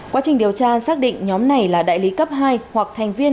quá trình điều tra xác định nhóm này là đại lý cấp hai hoặc thành viên